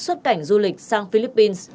xuất cảnh du lịch sang philippines